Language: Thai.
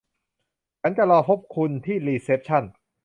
ฉันจะรอพบคุณที่รีเซ็ปชั่น